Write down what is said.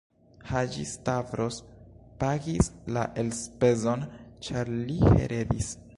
Haĝi-Stavros pagis la elspezon, ĉar li heredis.